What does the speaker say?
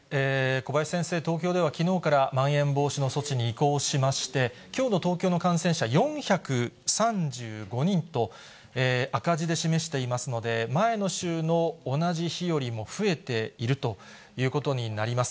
小林先生、東京では、きのうからまん延防止の措置に移行しまして、きょうの東京の感染者４３５人と、赤字で示していますので、前の週の同じ日よりも増えているということになります。